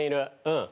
うん。